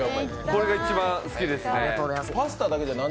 これが一番、好きですね。